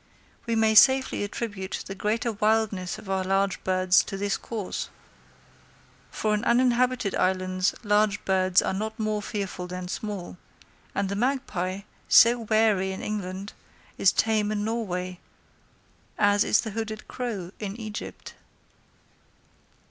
We may safely attribute the greater wildness of our large birds to this cause; for in uninhabited islands large birds are not more fearful than small; and the magpie, so wary in England, is tame in Norway, as is the hooded crow in Egypt.